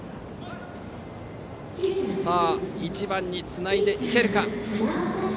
さあ、１番につないでいけるか。